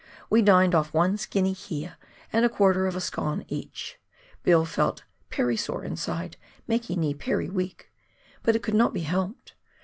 We dined off one skinny kea, and a quarter of a scone each. Bill felt " pery sore inside, makee knee pery weak," — but it could not be helped.